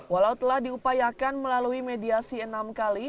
walau telah diupayakan melalui mediasi enam kali